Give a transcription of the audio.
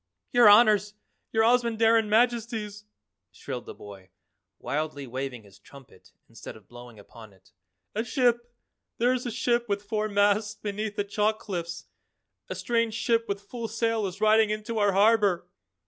"Your Honors! Your Ozamandarin Majesties!" shrilled the boy, wildly waving his trumpet instead of blowing upon it. "A ship there is a ship with four masts beneath the chalk cliffs, a strange ship with full sail is riding into our harbor."